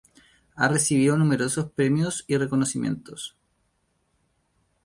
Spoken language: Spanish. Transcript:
Ha recibido numerosos premios y reconocimientos.